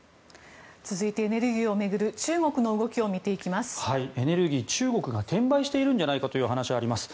続いてエネルギーを巡る中国の動きをエネルギー、中国が転売しているんじゃないかという話があります。